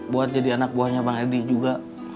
buat jadi anak buahnya bang edi juga